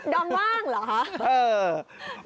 ดอมว่างเหรอ